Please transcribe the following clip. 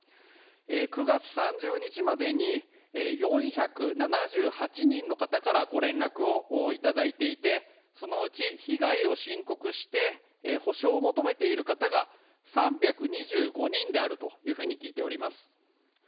９月３０日までに４７８人の方からご連絡をいただいていて、そのうち被害を申告して、補償を求めている方が３２５人であるというふうに聞いております。